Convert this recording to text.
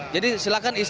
jadi silakan istirahat